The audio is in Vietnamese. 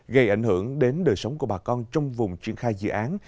gây ảnh hưởng đến đời sống của bà con trong vùng triển khai dự án